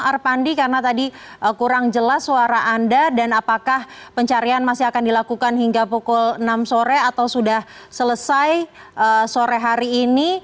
arpandi karena tadi kurang jelas suara anda dan apakah pencarian masih akan dilakukan hingga pukul enam sore atau sudah selesai sore hari ini